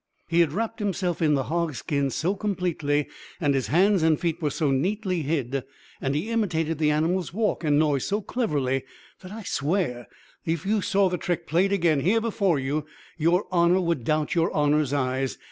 "He had wrapped himself in the hog's skin so completely, and his hands and feet were so neatly hid, and he imitated the animal's walk and noise so cleverly, that I swear, if you saw the trick played again, here before you, your honor would doubt your honor's eyes.